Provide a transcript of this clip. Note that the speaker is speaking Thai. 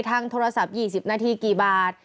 ทางโทรศัพท์๒๐นาทีกี่บาท